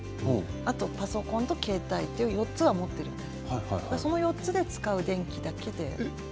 あとパソコンと携帯という４つを持っているんです。